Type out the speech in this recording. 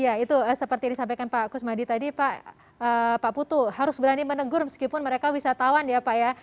ya itu seperti disampaikan pak kusmadi tadi pak putu harus berani menegur meskipun mereka wisatawan ya pak ya